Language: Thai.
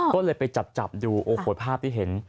ก็เลยไปจับดูโอ้โหภาพที่เห็น